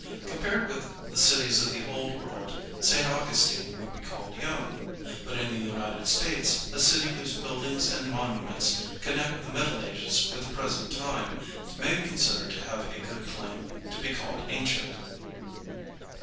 Compared with the cities of the Old World, St. Augustine would be called young; but in the United States a city whose buildings and monuments connect the Middle Ages with the present time, may be considered to have a good claim to be called ancient.